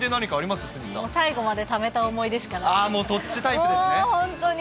最後までためた思い出しかな